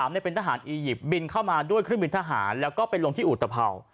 เป็นทหารอียิปต์บินเข้ามาด้วยเครื่องบินทหารแล้วก็ไปลงที่อุตภัวร์